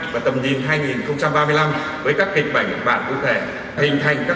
vào tầm nhìn hai nghìn ba mươi năm với các kịch bảnh và cụ thể hình thành các cấu trúc s led và trung tâm đổi mới